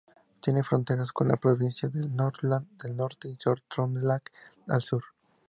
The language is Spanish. Tiene fronteras con las provincias de Nordland al norte y Sør-Trøndelag al sur.